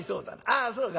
あそうか。